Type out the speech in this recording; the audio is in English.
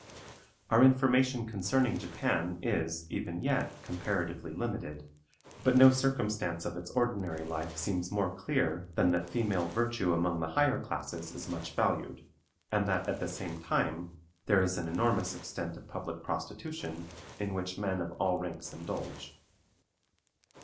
Our information concerning Japan is, even yet, comparatively limited, but no circumstance of its ordinary life seems more clear than that female virtue among the higher classes is much valued, and that, at the same time, there is an enormous extent of public prostitution, in which men of all ranks indulge.